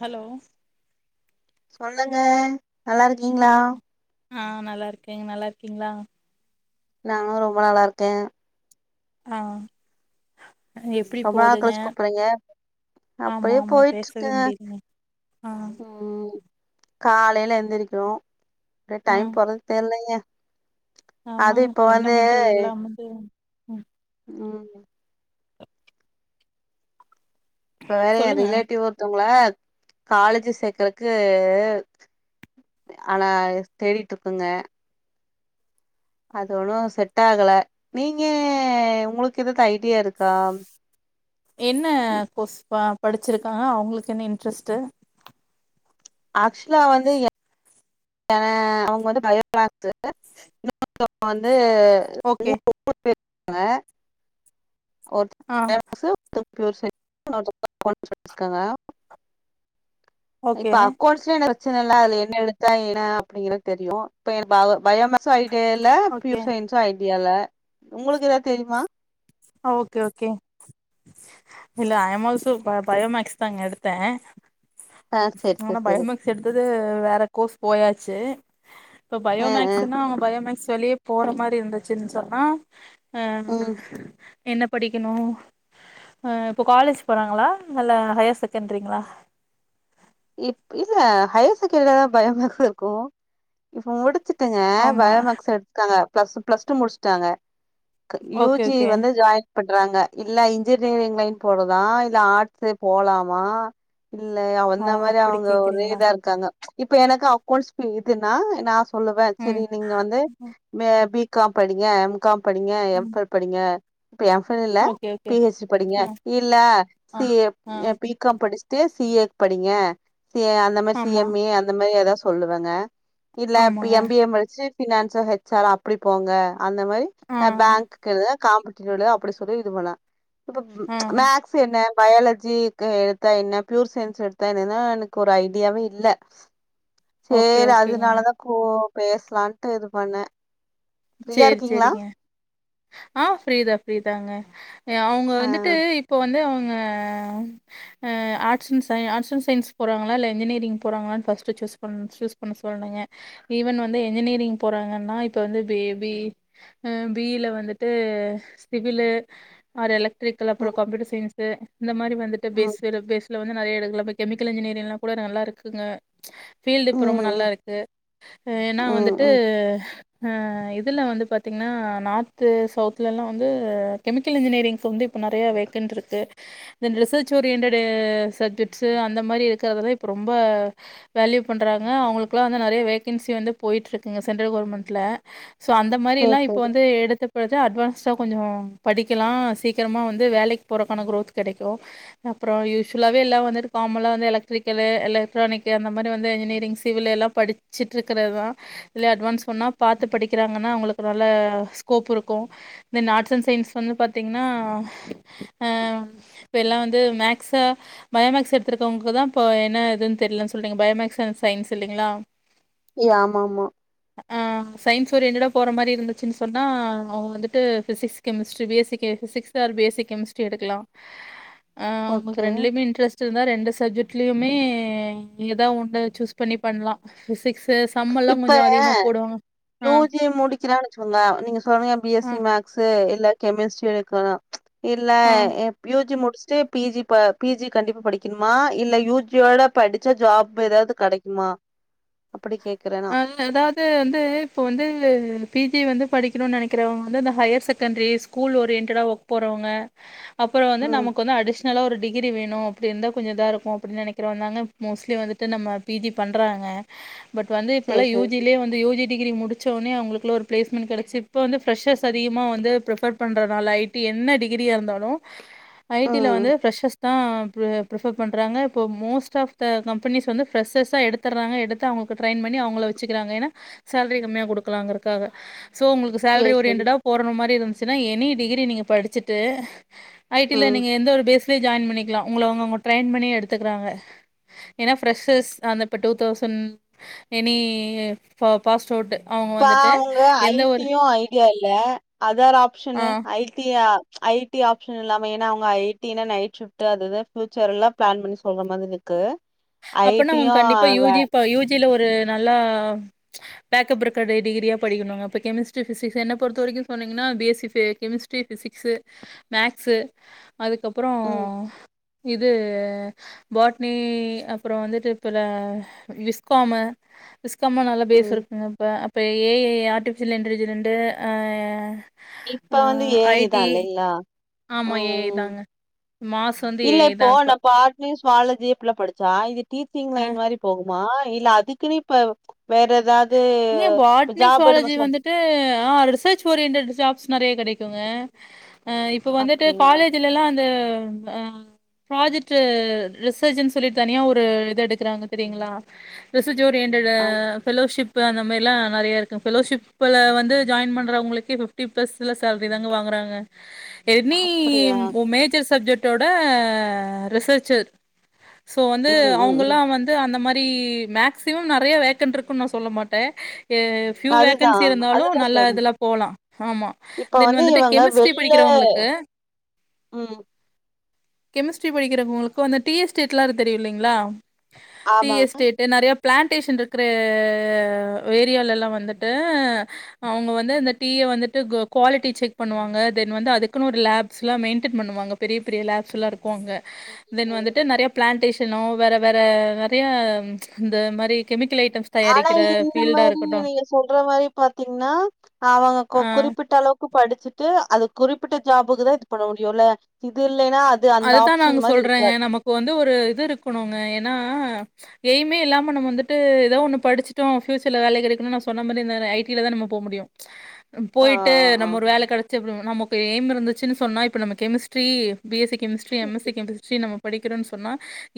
Hello சொல்லுங்க நல்லா இருக்கீங்களா ஆஹ் நல்லா இருக்கேங்க நல்லா இருக்கீங்களா நா ரொம்ப நல்லா இருக்கேன் ஆஹ் ரொம்ப நாள் கழச்சு கூப்பறீங்க ஆமா அப்படியே ஆமா போயிட்டு பேசவே இருக்குங்க முடியலங்க ஆ உம் காலையில எந்திரிக்கணு ஆ டைம் போறதே தெரியலங்க ஆமாங்க என்ன பண்றது எல்லாம் வந்து ம் உ இப்ப வேற எ சொல்லுங்க ரிலேட்டிவ் ஒருத்தவங்ள காலேஜு சேக்கறக்கு ஆனா அ தேடிட் ருக்குங்க அது ஒன்னு செட் ஆகல நீங்க உங்குளுக்கு எதாது ஐடியா இருக்கா என்ன கொஸ் பா படிச்சிருக்கா அவுங்ளுக்கு என்ன இன்ட்ரெஸ்ட்டு ஆக்சுலா வந்து அ அவுங்க வந்து பயோமேக்ஸு [unintelligible] வந்து ஓகே [unintelligible] அ ஆ [unintelligible] [unintelligible] ஓகே இப்ப அக்கோண்ஸ் [unintelligible] ப்ரெச்சனலா இல்ல [unintelligible] [unintelligible] ஓகே ப்யூர் சய்ன்ஸ் அ [unintelligible] முடியல உங்குளுக்கு எதாது தெரிமா ஓகே ஓகே இல்ல I am also bio bio maths தாங்க எடுத்தே ஆ சரி சரி ஆனா சரி பயோமேக்ஸ் எடுத்தது வேற கோர்ஸ் போயாச்சு ப்போ ஆ ஆ பயோமேக்ஸ்னா பயோமேக்ஸ் வெளிய போற மாரி இருந்துச்சுன்னு சொன்னா ம் அஹ் என்ன படிக்கணு அ இப்போ காலேஜ் போறாங்களா இல்ல ஹையர் செகண்ட்ரிங்களா இப் இல்ல ஹையர் செகண்டிரிலதா பயோ மேஸ் இருக்கு ப்ப முடு ச்சுட்டுங்க ஆமா பயோமேக்ஸ் எடுத்துட்டாங்க பிளஸ் பிளஸ் டூ முடிச்சுட்டாங்க யூ ஓகே ஜி ஓகே வந்து ஜாயின் பண்றாங்க இல்ல இன்ஜினியரிங் லைன் போறதா இல்ல ஆர்ட்ஸ் போலாமா இல்ல அந்த ஆ மாரி அப்டி அவங்க ஒரே கேக்குறீங்களா இதா இருக்காங்க இப்ப எனக்கு அக்கௌண்ட்ஸ் பு இதுன்னா நா சொல்லுவ சரி ம் நீங்க வந்து மே பி காம் படிங்க காம் படிங்க எம் ம் ஃபெல் படிங்க இப்ப எம் ஃபெள் இல்ல okay okay P H D படிங்க ஆ இல்ல ஆ சி ஆ ஏ பி காம் படிச் தே சிஏ படிங்க சி ஏ அந்த மாதிரி சி ஆமா எம் ஏ அந்த மாதிரி ஏதாவது சொல்லுவேங்க இல்ல அப்டி ஆமாங்க எம் பி ஏ முடிச்சு பினான்ஸா ஹெச்சார் அப்படி போங்க அந்த மாதிரி ஆ நா பேங்க்குக்கு காம்பட்ட அப்படி சொல்லி இது பண்ண இப்ப ஆ மேக்ஸ் என்னே பயாலஜிகு எடுத்தா என்ன பியூர் சயின்ஸ் எடுத்த னன்னா எனக்கு ஒரு ஐடியாவே இல்ல ஓகே சரி ஓகேங்க அதனாலதான் கோ பேசலாம்ட்டு இது பண்ணே சரி சரிங்க ஆஹ் ஃப்ரீதான் ஃப்ரீதாங்க அவங்க ஆ வந்துட்டு இப்போ வந்து அவங்க ஆஹ் arts and science arts and science போறாங்களா இல்லை என்ஜினியரிங் போகறாங்களா ன்னு ஃபஸ்ட்டு சூஸ் பண்ண சூஸ் பண்ண சொல்லணுங்க இவன் வந்து என்ஜினியரிங் போறாங்கன்னா இப்போ வந்து பேபி பி இ ல வந்துட்டு சிவிலு ஆர் எலக் பிடிக்கல அப்ரோம் ம் கம்பியூட்டர் சயின்ஸ் த இந்த மாதிரி வந்துட்டு ம் பேசறது வேஸ்ட் இதுல வந்து நிறைய எடுக்கலாம் இப்ப கெமிக்கல் என்ஜினியரிங் லாம் கூட நல்லா இருக்குங்க ஃபீல்டு இப்போ ரொம்ப ம் ம் நல்லாயிருக்கு ஏன்னா. ம் வந்துட்டு ம் ஹம் இதுல வந்து பாத்தீங்கன்னா நார்த்து சவுத்லலாம் வந்து கெமிக்கல் இன்ஜினியரிங்க்கு வந்து இப்போ நிறைய வேக்கண்ட் இருக்கு தென் ரிசர்ச் ஓரியன்டட் சப்ஜெக்ட்ஸு அந்த மாதிரி இருக்கிறதெல்லாம் இப்போ ரொம்ப வேல்யூ பண்றாங்க அவங்களுக்குல்லாம் வந்து நிறைய வேகன்சி வந்து போயிட்டு இருக்குங்க சென்ட்ரல் கவர்மெண்ட்ல சோ அந்த மாதிரி சேரி எல்லாம் இப்ப சேரி வந்து எடுத்த ன்னா அட்வான்ஸ்டா கொஞ்ச படிக்கலா சீக்கிரமா வந்து வேலைக்கு போறதுக்கான க்ரோத் கிடைக்கும் அப்ரோம் யுஷீவலாவே எல்லாம் வந்துட்டு காமலா வந்து எலக்ட்ரிக்கலு எலக்ட்ரானிக் அந்த மாதிரி வந்து இன்ஜினியரிங் சிவில் எல்லாம் படிச்சுட்டுருக்கிறதான் இல்ல அட்வான்ஸ் வேனா பாத்து படிக் வக்கிறாங்கன்னா அவங்களுக்கு நல்லா ஸ்கோப் இருக்கும் தென் ஆர்ட்ஸ் அண்ட் சயின்ஸ் வந்து பாத்தீங்கன்னா இப்போ எல்லாம் வந்து மேக்ஸை பயோமேக்ஸ் எடுத்துருக்கவங்களுக்கு தான் இப்போ என்ன இதுன்னு தெரியிலன்னு சொல்ங்க பயோமக்ஸ் அண்ட் சயின்ஸ் இல்லைங்களா ஏ ஆமாமா ஒரியன்டடா போற மாதிரி இருந்துச்சுன் சொன்னா அவங்க வந்துட்டு physics chemistry B S C physics or ஃபேசிக் chemistry எடுக்கலாம் ஆ அவங்களுக்கு ஓகே ரெண்டுலுமே இட்ரஸ்ட் இருந்தா ரெண்டு சப்ஜெக்ட் வீட்லயுமே எதான் ஒன்னு சூஸ் பண்ணி பண்ணலாம் பிசிக்ஸ் சம்பல்லாம் கொஞ்ச அதிகமா போடுவாங்க ஆ, யூஜி முடிக்கிறான் வெச்சிக்கோங்க நீங்க சொல்றீங்க ஆ, பிஎஸ்சி மேக்ஸ் இல்ல கெமிஸ்ட்ரி எடுக்கலாம் இல்ல ஆ. [unintelligible] ஃபஸ்ட் பிஜி ப பிஜி கண்டிப்பா படிக்கணுமா இல்ல யு ஜியோட படிச்சா ஜாப் எதாவது கிடைக்குமா அப்படி கே அ அதாவது வந்து இப்ப வந்து பிஜி வந்து படிக்கணும்னு நினைக்கிறவங்க வந்து ஹையர் செகண்டரி ஸ்கூல் ஓரியன்டடா ஒர்க் போறவங்க அப்புறம் வந்து ம் நமக்கு வந்து அடிஷ நல்லா ஒரு டிகிரி வேணும் அப்படி இருந்தா கொஞ்சம் இதான் இருக்கும் அப்படின்னு நினைக்கிறவங்க தாங்க மோஸ்ட்லி வந்துட்டு நம்ம பிஜி பண்றாங்க பட் வந்து சேரி இப்பெலாம் சேரி யூஜிலயே வந்துயூஜி டிகிரி முடிச்ச உடனே அவங்களுக்குள்ள ஒரு பிளேஸ்மென்ட் கிடைச்ச இப்ப வந்து ஃபிரஷர்ஸ் அதிகமா வந்து பிரிப்பர் பண்றதுனால ஐடி என்ன டிகிரியா இருந்தாலும் ஐடில ம் வந்து ஃபிரசர்ஸ் தான் ப்ரிப்பர் பண்ணுறாங்க இப்போ மோஸ்ட் ஆஃப் த கம்பெனிஸ் வந்து ஃப்ரெஷர்ஸா எடுத்துடுறாங்க எடுத்து அவங்க ட்ரெயின் பண்ணி அவங்கள வச்சுக்கிறாங்க ஏன்னா சேலரி கம்மியா கொடுக்கலாம்ங்கரக்காக சோ உங்களுக்கு சேலரி சேரி சேரி ஒரியன்டடா போடற மாரி எதுனா எனி டிகிரி நீங்க படிச்சுட்டு ஐ டில ம் நீங்க எந்த ஒரு பேஸ் ஜாயின் பண்ணிக்கலா உங்கங்ல அவுங்கங்க ட்ரெயின் பண்ணி எடுத்துக்கிறாங்க ஏன்னா பிரெஷ்ஷர்ஸ் அந்த இப்போ டூ தசண்ட் எனி பாஸ்டவுட் இப்ப அவங்க ஐ டியும் ஐடியா இல்ல அதர் ஆப்ஷன்ன ஆ. ஐ டிய ஐ டி ஆப்ஷன் இல்லாம ஏன்னா அவங்க ஐ டினா நைட் ஷிப்ட் அது இது பியூட்டர் எல்லா பிளான் பண்ணி சொல்லுற மாரி இருக்கு ஐ அப்பனா டியு அவங் கண்டிப்பா யூ வே ஜி ப யூ ஜி யூ ஜில்ல ஒரு நல்லா பேக்கப் இருக்க டிகிரியாக படிக்கணுங்க இப்போ கெமிஸ்ட்ரி ஃபிசிக்ஸ் என்ன பொறுத்த வரைக்கு சொன்னீங்கன்னா B S C chemistry physics maths அதுக்கப்ரோ ம் இது பாட்னி அ ப்பறம் வந்துட்டு இப்பல விஸ்காமு விஸ்கமூ நல்ல பேஸ் ம் இருக்கு இப்ப இப்போ ஏ ஐ ஆர்ட்டிஃபிஷியல் இன்டலிஜென்ட் ஆ இப்ப ஆ வந்து ஏ ஐ தா ஐடி இல்லைங்ளா ஆமா ஏ ஐ தாங்க மாஸ் வந்து இல்ல ஏஐ தா இப்போ இப்ப நா பாட்னிஸ் காலேஜ்ஜூ இப்பிட்ல்லா படிச்சா இதுப் டீச்சி்ங் ஆ லைன் மாறி போகு மா இல்ல அதுக்குன்னே இப்ப வேற ஏதாவ ஏ பாட்னி ஸுவாலஜி வந்துட்டு ஆ ரிசர்ச் ஓரியன்டட் ஜாப்ஸ் நெறைய கெடைக் க்குங்க ஆ இப்ப வந்துட்டு அப்டியா காலேஜ்லல்லா அந்த உம் ஆஹ் ப்ராஜெக்டு ரிசர்ச்ன்னு சொல்லி தனியா ஒரு இதெடுக்கறாங்க தெரியுங்களா ரிஸ் ச்சொரியன்டட்டு அப் ஃப்பெலோஷிப் ப்பு அந்த மேரிலா நெறைய இருக்குங் ஃப்பெலோ ஷிப்புல வந்து ஜாயின் பண்றவங்களுக்கு ஃபிப்டி பிளஸ் ல சேலரி தாங்க வாங்குறாங்க எனி அப்டியா ஒ மேஜர் சப்ஜெக்ட டோட ரிசர்ச்சர் சோ வந்து ம் ம் அவுங்க ம் எல்லா வந்து அந்த மாரி [unintelligible] மேக்ஸ்சிமம் நெறைய வேக்கண்ட்டுருக்குன்னு நா சொல்ல மாட் டே எ ஃபியூ அதுதா வேக்கன்சி இருந்தாலு அதுதா நல்லா சொல்றே இதுல்லா போலா ஆமா இப்ப தென் வந்து வந்துட்டு இவங்க கெமிஸ்ட்ரி வெளில படிக்கிறவங்களுக்கு ம் கெமிஸ்ட்ரி படிக்கிறவங்களுக்கு அந்த டி எஸ்டேட்ல்லா இருக் தெரியு இல்லீங்களா டி ஆமா எஸ்டேட்டு நறையாப் பிளான்டேஷன் இருக்குற ஆஹ் எரியாலலா வந்துட்டு அவுங்க வந்து அந்த டிய வந்துட்டு கொ குவாலிட்டி செக் பண்ணுவாங்க தென் வந்து அதுக்குன்னு ஒரு லேப்லா மெயின்டெய்ன் பண்ணுவாங்க பெரிய பெரிய லாப்ஸ்லா இருக் கோங்க தென் வந்துட்டு ம் நறைய பிளான்டேஷ் ட்டனு வேற வேற நறைய இந்த மாரி கெமிக்கல் ஐட் ட்டம்ஸ் தயாரிக்கிற நம்ப ஃபீல்டா இருக்கட்டு [unintelligible] சொல்ற மாரி பாத்தீங்னா அவங்க கொ ஆ குறிப்பிட்டளவுக்கு படிச்சிட்டு அது குறிப்பிட்ட ஜாபுக்கு தா இது பண்ண முடியுல்ல இது இல்லைன்னா அந்த அது தா ஆப்ஷன் நாங்க மாரி சொல்றேங்க இருக்காது. நமக்கு வந்து ஒரு இது இருக்கணுங்க ஏனா அ எய்மே இல்லாம நம்ம வந்துட்டு எதோ ஒன்னு படிச்சிட்டோ ஃபியூச்சர்ல வேல கெடைக்கணு நா சொன்ன மாரி இந்த ஐ டி ல தா நம்ம போ முடியு உம் ஆ, போய்ட்டு ஆ, ஆ. நம்ம ஒரு வேல கெடச்சப்றோ நமக் இப்ப எய்ம் இருந்துச்சுன்னு சொன்னா இப்ப நம்ம chemistry B S C chemistry M S C chemistry நம்ம படிக்கறோன் சொன்னா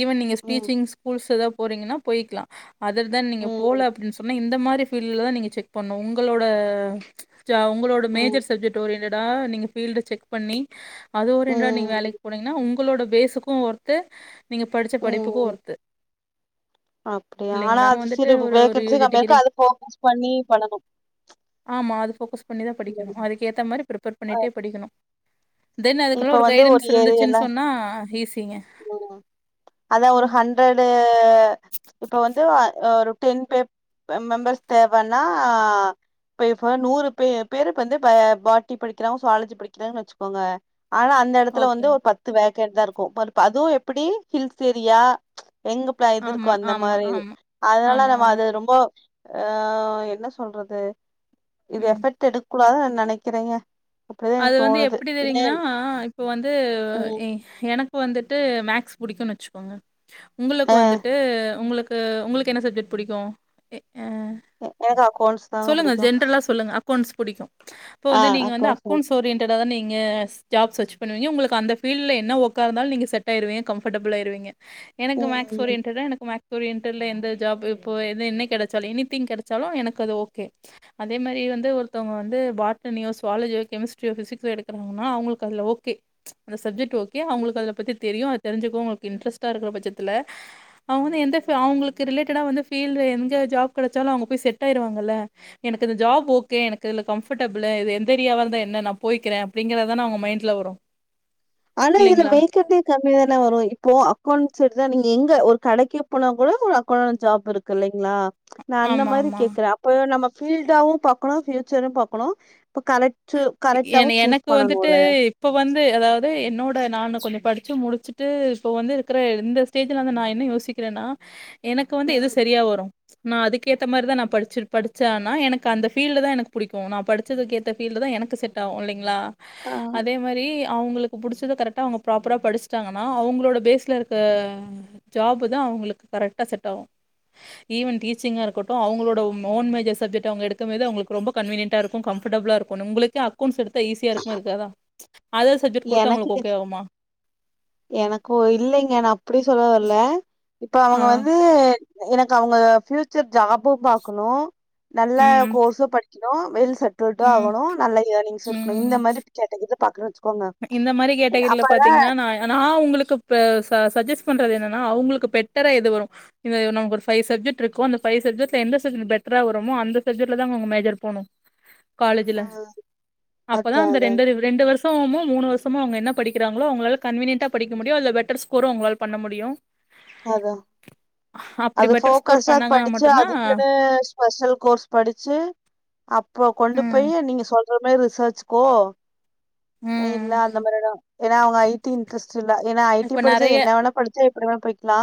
ஈவன் நீங்க ம், ஸ்பீச்சிங் ஸ்கூல்ஸ் எதா போறீங்கன்னா போய்க்கலா அதுல் தா நீங்க போல ம், அப்டின் சொன்னா இந்த மாரி ஃபீல்ட்ல தா நீங்க செக் பண்ணு உங்களோட ஜா உங்களோட ம், ம், மேஜர் சப்ஜெக்ட் ஓரியன்ட்ட டா நீங்க ஃபீல்ட செக் பண்ணி அது ஒரியன்ட்டடா நீங்க ம், வேலைக் போனீங்கன்னா உங்களோட பேஸுக்கு ஒர்த்து நீங்க படிச்ச படிப்புக்கு ம். ஒர்த்து அப்படியா? ஆனா இல்லீங்களா நம்ம அது வந்துட்டு சிறு ஒரு ஒரு யு வேகன்சி ஜி கம்மியா டிகிரி இருக்கு. அது ஃபோக்கஸ் பண்ணி பண்ணணும். ஆமா அது ஃபோக்கஸ் பண்ணி தா படிக்கணு ம். அதுக்கேத்த மாரி ப்ரீப்பர் பண்ணிட்டே படிக்கணு தென் அதுக்கெல்லா இப்ப ஒரு வந்து கைடன்ஸ் இருந்துச் ஏரியால சின் சொன்னா ஹீஸ் ம் அதா ஒரு ஹண்ட்ரடு ஆ இப்ப வந்து அ ஒருப் டென் பேப் அ மெம்பர்ஸ் தேவன்னா பேப்ப நூறு பே பேரு இப்ப வந்து பாட்னி படிக்கிறாங்க ஜூவாலஜி படிக்கிறாங்கன்னு வச்சுக்கோங்க ஆனா அந்த எடத்துல வந்து ஓகே ஒரு பத்து வாக் கர் தா இருக்கூ பலூப் ப்ப அதுவூ எப்டி ஹில்ஸ் ஏரியா ப்ச் எங்க ப்லா இது இருக்கோ ஆமா அந்த ஆமா மாரி ஆமா அத்னால ஆமா நம்ம ஆமா அத ரொம்போ ஆ என்ன சொல்றது இது ம் எஃபெக்ட் எடுத் கூடாதுன் நா நெனக்கிறேங்க அது வந்து எப்டி தெரியுங்கன்னா இப்ப வந்து ம் எஹ் எனக் இப்ப வந்துட்டு மேக்ஸ் புடிக்கூன்னு வச்சுக்கோங்க உங்களுக்கு ஆ வந்துட்டு உங்களுக் அ உங்களுக்கு என்ன சப்ஜெக்ட் புடிக்கூ அ எனக்கு அக்கவுன்ட்ஸ் தாங்க புடிக்கூ புடிக்கூ ஆ அக்கௌன்ட்ஸ் நா சோரியன்டா தான நீங்க ஸ் ஜாப் ஸர்ச் பண்ணுவீங்க உங்களுக்கு அந்த ஃபீல்டுல என்ன ஒர்க்கா இருந்தாலூ நீங்க செட் ஆயிருவீங்க கம்ஃபர்டபுள் ஆயிருவீங்க எனக்கு மேக்ஸ் ம் ஓரியன்டடா எனக்கு மேக் ஓரியன்ட்டல்ல எந்த ஜாப் இப்போ எது என்ன கெடச்சாலூ எனித்திங் கெடச்சாலூ எனக்கு அது ஓகே அதே மாரி வந்து ஒருத்தவுங்க வந்து பாட்னியோ ஸுவாலஜியோ கெமிஸ்ட்ரியோ பிசிக்ஸோ எடுக்கிறவங்னா அவுங்ளுக்கு அதுல ஓகே ப்ச் அந்த சப்ஜெக்ட் கு ஓகே ம் அவங்ளுக்கு அதுல பத்தி தெரியூ அத் தெரிஞ்சுக்க உங்கள்க்கு இட்ரஸ்டா இருக்கிற பட்சத்துல அவுங்க வந்து இன்டர்ஃபிய அவுங்ளுக்கு ரிலேட்டடா வந்து ஃபீல்டு எந்த ஜாப் கெடைச்சாலூ அவுங்க போய் செட் ஆயிருவாங்கல எனக்கு இந்த ஜாப் ஓகே எனக்கு இதுல கம்ஃபர்டபுளு எந்த ஏரியாவா இருந்தா என்ன நா போய்க்கிறே அப்படிங்கிறதான அவுங்க மைண்ட்ல வரூ ஆனா இதுல வேகண்டே கர் ஏல வரூ இப்போ அக்கௌண்ட்ஸ் எடுத்தா நீங்க எங்க ஒரு கடைக்கு போனாக்கூட ஒரு அக்கௌண்ட் ஜாப் இருக்குல்லைங் நா நா அந்த ஆமா மாரி ஆமா கேக்குறே அப்பதா நமக் பீல்டாவூ பாக்கணூ ஃப்யூச்சரயூ பாக்கணூ இப்ப கரெக்ட் என கரெக்ட்டாவும் சூஸ் எனக்கு வந்துட்டு பண்ணணும்ல. இப்ப வந்து அதாவ்து என் னோட நான்னு கொஞ்சோ படிச்சு முடிச்சுட்டு இப்போ வந்து இருக்கிற இந்த ஸ்டேஜ்ல வந்து நா என்ன யோசிக்கிறேன்னா எனக்கு வந்து எது ம். செரியா வரூ நா அதுக்கேத்த மாரிதா நா படிச்சுரு படிச்சேன்னா எனக்கு அந்த ஃபீல்டுதா எனக்குப் புடிக்கு நா படிச்சதுக்கு ஏத்த ஃபில்டுதா எனக்கு கு செட் ஆகு இல்லைங்களா ஆ அதே மாரி அவங்களுக்கு புடிச்சத கரெக்ட்டா அவங்க ப்ராப்பரா படிச்சிட்டாங்கன்னா அவங்களோட பேஸ்ல இருக்க ஜாப் தா அவங்களுக்கு கரெக்ட்டா செட் ஆகு ஈவன் டீச்சிங்கா இருக்கட்டும அவங்களோட ம் ஓன் மேஜஸ் சப்ஜெக்ட் அவங்க எடுக்கமேது அவங்களுக்கு ரொம்ப கன்வீனியன்ட்டா இருக்கு கம்ஃபர்டபுளா இருக்கு நுங்களுக் கே அக்கோண்ட்ஸ் எடுத்தா ஈஸியா இருக்குமா இருக்காதா அதர் சப்ஜெக்ட் குடுத்தா எனக்கு உங்களுக்கு ஓகே ஆகுமா எனக்கு இல்லைங்க நா அப்டி சொல்ல வர்ல இப்போ ஆ அவங்க வந்து எனக்கு அவங்க பியூச்சர் ஜாப்பு பாக்கணு நல்ல ம் கோர்ஸ்ஸு படிக் க்கனு வெல்ஸ் செட்டுல்டு ம் ஆகனு நல்ல இயரிங்ஸ் இருக்கணும் ம் இந்த மாதிரிக்கு கேட்டது இது [unintelligible] இந்த மாரி கேட்டகிரில அப்பதான் பாத்தீங்கன்னா நா நா ஒங்களுக்கு ப ச சஜஸ் பண்றது என்னனா அவுங்களுக்கு பெட்டரா எது வரு இது நா ஒரு ஃபைவ் சப்ஜெக்ட் இருக்கு அந்த ஃபைவ் சப்ஜெக்ட்ல எந்த சப்ஜெக்ட் பெட்டரா வருமோ அந்த சப்ஜெக்ட்லதாங்க அவங்க மேஜர் போனு காலேஜ்ல ஆ. அப்பதா அதா அந்த அதா ரெண்டு ரெ ரெண்டு வருஷ் [unintelligible] மூணு வருஷமு அவங்க என்ன படிக்கிறங்களோ அவங்களால கன்வீனியன்ட்டா படிக்க முடியு அதுல பெட்டர் ஸ்கோர்ரு அவங்களால பண்ண முடியு அதா அப்டி அது பெட்டர் ஸ்கோர் போக்கஸா பண்ணாங்கன்னா படிச்சு மட்டுந்தா அதுக்குன்னு ஸ்பெஷல் கோர்ஸ் படிச்சு அப் ப்ப கொண்டு ம் போய் நீங்க சொல்ற மாரி விசாரிச்சுக்கோ ம் இல்ல அந்த மாரிலா ஏன்னா அவங்க ஐ டி இன்ட்ரெஸ்ட் இல்ல ஏனா ஐ டி இப்ப படிச்சா நெறைய என்ன வேணா படிச்சே எப்டி வேணா போய்க்கலா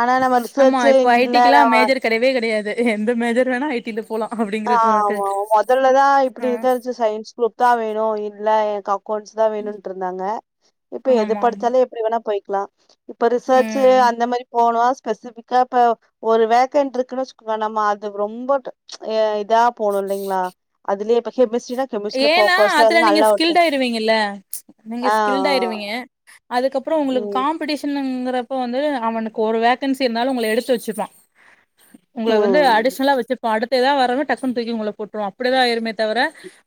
ஆனா நம்ம ஆமா ரிசர்ச்சு இப்போ ன் ஐ டிக்குலா இல்லலாம மேஜர் கெடையவே கெடையாது எந்த மேஜர் வேணாலு ஐ டி ல ஆ ஆமா மொதல்லதா இப்பிடி விசாரிச்சு சயின்ஸ் குரூப்தா வேணு இன் ன்லா எனக்கப் அக்கௌண்ட்ஸ்தா வேணுண்ட்டு இருந்தாங்க இப்ப எது ஆமா ஆமா படிச்சாலே எப்படி வேணா போய் க்ளா இப்ப ரிசர்ச்சு ம் அந்த மாரி போனோ ஸ்பெசிபிக்கா இப்ப ஒரு வேக்கண்ட் இருக்குனு வச்சுக்கோவ நம்ம அது ரொம்ப ப்ச் ஏ இதாப் போனு இல்லைங்களா அதுலயே ப ஏனா அதுல நீங்க இருக்கு ஸ்கில்டு ஆயிருவீங்கல்ல நீங்க ஆ ஸ்கில்டு ஆய்ருவீங்க அதுக்கப்பறொ உங்களுக்கு ம் காம்படிஷன்னு உங்க கப்ப வந்து அவனுக்கு ஒரு வேக்கன்சி இருந்தாலு உங்கள எடுத்து வச்சுப்பா உங்க வந்து ம் அடிஷனலா வச்சு ப்ப அடுத்ததாவ வரறவ டக்கன்ன தூக்கி உங்கள போட்டுரு அப்படிதா எரூமே தவர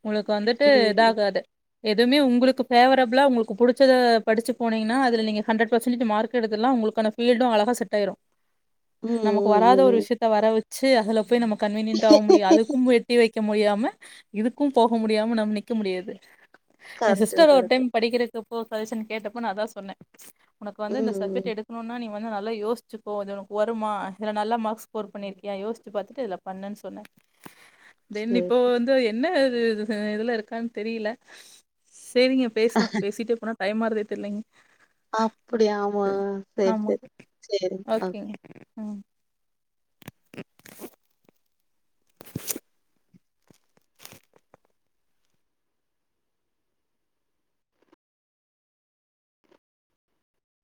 உங்களுக்கு வந்துட்டு ம் இதாகாது எதுவும உளுக்குஃபேவரபுள உங்ளுக்கு புடிச்சத படிச்சு போனீங்கன்னா அது நீங்க ஹண்ரட் பெசன்டேஜ் மார்க் எடுத்துலா உங்களுான ஃபீல்டும் அழகா செட்டாயிரு ம் ம் நமக்கு வராத ஒரு ம் விஷயத்த வர வச் சரி அ அதல போய் நம கன்வீனியன்ட் ஆக முடியு அதுக்கு எட்டிவைக்க க்க முடியாம இதுக்கு போக முடியாம நம்ம நிக்க முடியாது ஏ கரெக்ட் சிஸ்டர் ஒரு கரெக்ட் டைம் படிக்கிற ப்ப சஷன் கேட்டப்போ நா அதா சொன்னே உக்கு வந்து இந்த ம் சப்ஜெக்ட் ம் எடுக்கணும்னா நீ வந்து நல்லா யோசிச்சுகோ இதுஉனக்கு வருமா இதுல நல்லா மார்க்ஸ் ஸ்கோர் பண்ணிருயிக்கியா யோசிச்சு பாத்துட்டு இதுல பண்னு சொன்னே தென் இப்போ சேரி வந்து எ என்ன இது இது இதுல இருக்கான்னு தெரியல சேரிங்க பேசலா பேசிகிட்டே போனா டைம்மாறதே தெரியலங்க அப்படி ஆமா சரி ஆமா சரி சரி ஆ ஓகேங்க ம் [inaudible]